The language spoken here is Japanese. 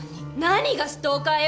何がストーカーよ！